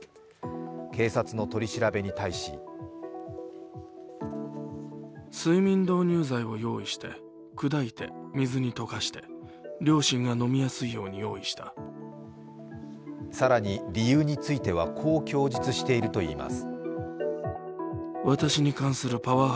警察の取り調べに対し更に理由についてはこう供述しているといいます。